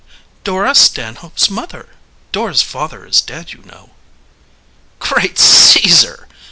"Dora Stanhope's mother. Dora's father is dead, you know." "Great Caesar!"